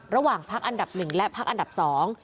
ระหว่างพักอันดับหนึ่งและพักอันดับสอง